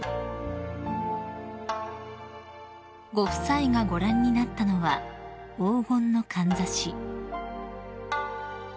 ［ご夫妻がご覧になったのは黄金のかんざし］